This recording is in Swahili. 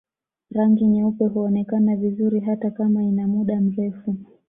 Rangi nyeupe huonekana vizuri hata kama ina muda mrefu